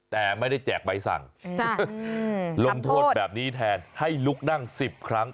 แต่ไม่ได้แจกใบสั่งลงโทษแบบนี้แทนให้ลุกนั่ง๑๐ครั้ง